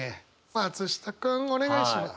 松下君お願いします。